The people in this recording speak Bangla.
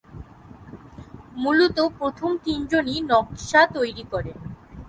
মূলত প্রথম তিনজনই নকশা তৈরি করেন।